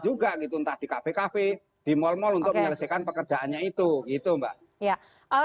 juga gitu entah di kafe kafe di mal mal untuk menyelesaikan pekerjaannya itu gitu mbak ya